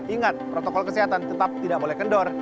ingat protokol kesehatan tetap tidak boleh kendor